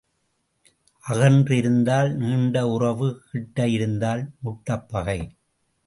அகன்று இருந்தால் நீண்ட உறவு கிட்ட இருந்தால் முட்டப்பகை.